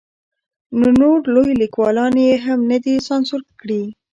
نو نور لوی لیکوالان یې هم نه دي سانسور کړي.